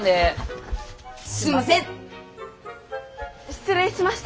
失礼しました。